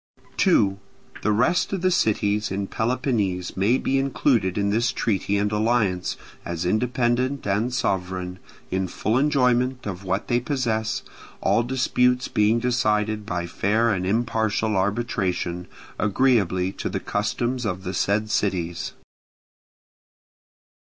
2. The rest of the cities in Peloponnese may be included in this treaty and alliance, as independent and sovereign, in full enjoyment of what they possess, all disputes being decided by fair and impartial arbitration, agreeably to the customs of the said cities.